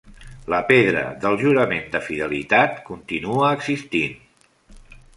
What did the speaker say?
La pedra del jurament de fidelitat continua existint.